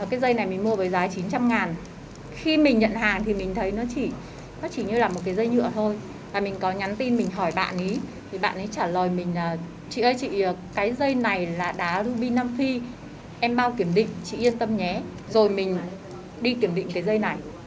em bao kiểm định chị yên tâm nhé rồi mình đi kiểm định cái dây này